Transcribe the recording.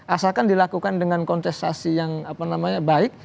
asalkan dilakukan dengan kontestasi yang baik